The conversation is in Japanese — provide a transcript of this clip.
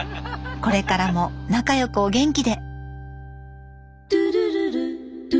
これからも仲よくお元気で。